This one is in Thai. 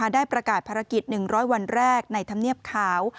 ได้ประกาศภารกิจ๑๐๐วันแรกในธรรมเนียบขาว